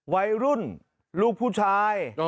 วัยรุ่นลูกผู้ชาย